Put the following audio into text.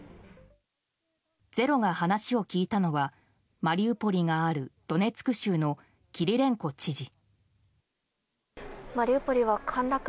「ｚｅｒｏ」が話を聞いたのはマリウポリがあるドネツク州のキリレンコ知事。